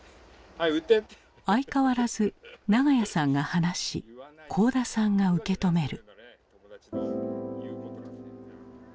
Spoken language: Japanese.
相変わらず長屋さんが話し幸田さんが受け止める。